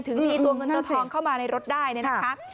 ถึงมีตัวเงินตัวทองเข้ามาในรถได้เนี่ยนะคะ